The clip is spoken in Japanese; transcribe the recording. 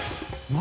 何？